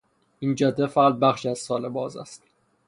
این جاده فقط بخشی از سال باز است.